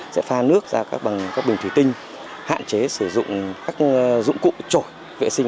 sẽ pha nước ra bằng các bình thủy tinh hạn chế sử dụng các dụng cụ trổi vệ sinh